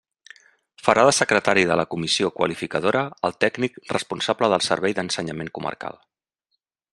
Farà de secretari de la Comissió Qualificadora el tècnic responsable del servei d'ensenyament comarcal.